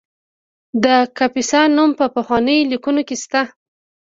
د کاپیسا نوم په پخوانیو لیکنو کې شته